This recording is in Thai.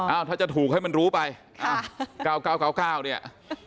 อ๋ออ้าวถ้าจะถูกให้มันรู้ไปค่ะเก้าเก้าเก้าเก้าเนี่ย